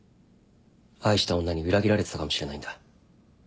愛した女に裏切られてたかもしれないんだ。